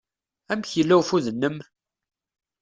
Amek yella ufud-nnem?